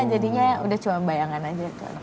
jadinya udah cuma bayangan aja